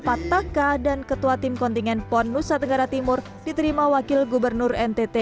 pataka dan ketua tim kontingen pon nusa tenggara timur diterima wakil gubernur ntt